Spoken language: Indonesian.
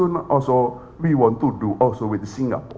dan kita juga ingin melakukan dengan singapura